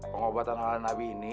pengobatan oleh nabi ini